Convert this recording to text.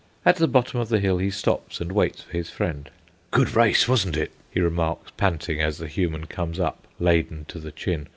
At the bottom of the hill, he stops and waits for his friend. "Good race, wasn't it?" he remarks, panting, as the Human comes up, laden to the chin.